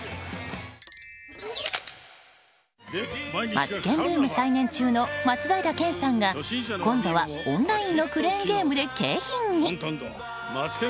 マツケンブーム再燃中の松平健さんが今度はオンラインのクレーンゲームで景品に？